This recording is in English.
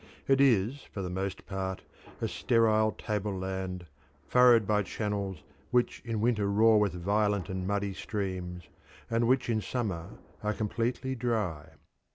It is for the most part a sterile tableland furrowed by channels which in winter roar with violent and muddy streams, and which in summer are completely dry.